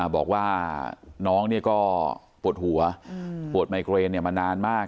บอกว่าน้องก็ปวดหัวปวดไมเกรนมานานมาก